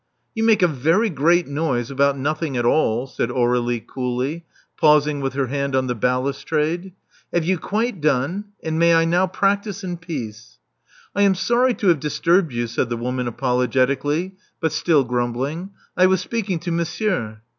'*You make a very great noise about nothing at all," said Aur^lie coolly, pausing with her hand on the balustrade. Have you quite done; and may I now practise in peace?" I am sorry to have disturbed you," said the woman apologetically, but still grumbling. I was speaking to Monsieur."